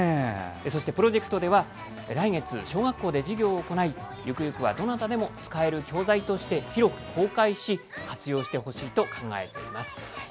そしてプロジェクトでは来月、小学校で授業を行いゆくゆくは、どなたでも使える教材として広く公開し活用してほしいと考えています。